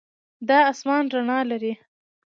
دا آسمان رڼا لري.